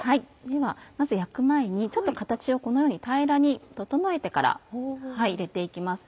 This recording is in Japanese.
ではまず焼く前にちょっと形をこのように平らに整えてから入れて行きます。